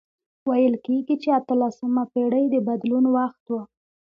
ویل کیږي چې اتلسمه پېړۍ د بدلون وخت و.